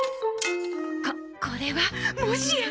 ここれはもしや！